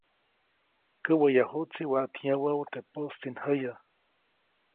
Käʼwejyajuʼtsi waʼat yä̃wäʼu teʼ poʼstinjäyäʼajy.